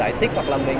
ra chỗ khác mà ấy